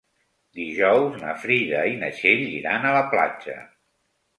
Dijous na Frida i na Txell iran a la platja.